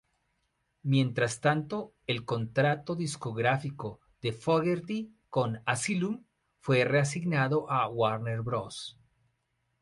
Mientras tanto, el contrato discográfico de Fogerty con Asylum fue reasignado a Warner Bros.